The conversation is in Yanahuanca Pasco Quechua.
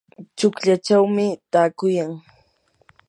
chuklallachaw taakuyan.